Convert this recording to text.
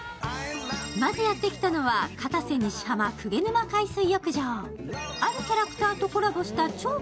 まずやってきたのは片瀬西浜鵠沼海水浴場。